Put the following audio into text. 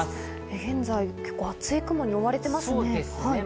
現在、結構厚い雲に覆われてますね。